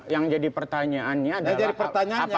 yang jadi pertanyaannya adalah